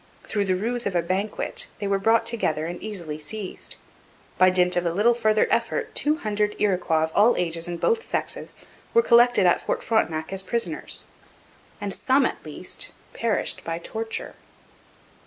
Through the ruse of a banquet they were brought together and easily seized. By dint of a little further effort two hundred Iroquois of all ages and both sexes were collected at Fort Frontenac as prisoners and some at least perished by torture.